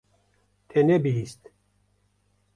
Te nebihîst.